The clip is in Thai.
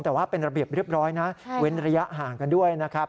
แต่ว่าเป็นระเบียบเรียบร้อยนะเว้นระยะห่างกันด้วยนะครับ